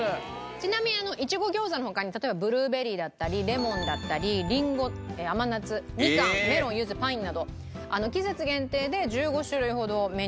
ちなみにいちご餃子の他に例えばブルーベリーだったりレモンだったりりんご甘夏みかんメロンゆずパインなど季節限定で１５種類ほどメニューがあるという事で。